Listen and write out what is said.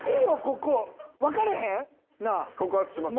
告発します。